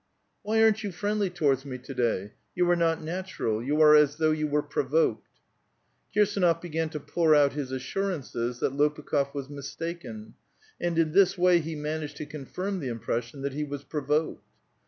*' Why aren't you friendly towards me to day? You are not natural; you are as though you wore provoked." Kirsdnof began to pour out his assurances that Lopukh6f was mistaken ; and in this way he managed to confirm the impression that he was provoked.